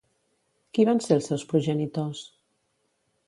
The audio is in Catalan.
Qui van ser els seus progenitors?